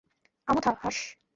আমুথা, হাস!